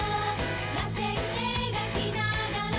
「らせん描きながら」